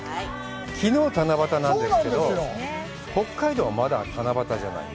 きのう七夕なんですけど、北海道は、まだ七夕じゃない。